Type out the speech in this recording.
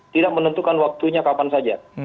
tidak menentukan waktunya kapan saja